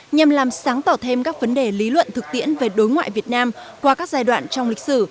nhằm làm sáng tỏ thêm các vấn đề lý luận thực tiễn về đối ngoại việt nam qua các giai đoạn trong lịch sử